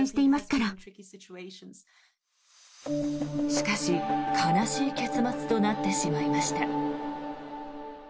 しかし、悲しい結末となってしまいました。